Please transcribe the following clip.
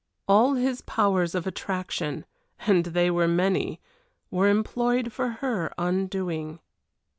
All his powers of attraction and they were many were employed for her undoing.